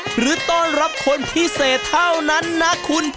หรือต้อนรับคนพิเศษเท่านั้นนะคุณ